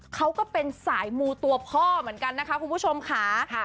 เขาก็เป็นสายมูตัวพ่อเหมือนกันนะคะคุณผู้ชมค่ะ